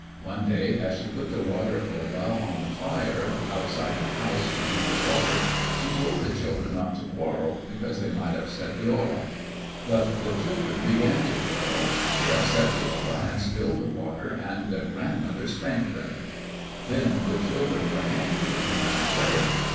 One day as she put the water olla on the fire outside the house to heat the water, she told the children not to quarrel because they might upset the olla. But the children began to quarrel. They upset the olla and spilled the water and their grandmother spanked them. Then the children were angry and ran away.